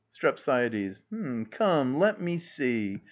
STREPSIADES. Ah! let me see.